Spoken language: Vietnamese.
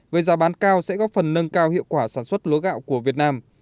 với giá bán cao sẽ góp phần nâng cao hiệu quả sản xuất lúa gạo của việt nam